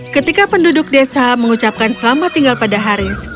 ketika penduduk desa mengucapkan selamat tinggal pada haris